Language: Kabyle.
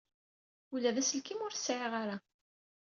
Ula d aselkim ur t-sɛiɣ ara.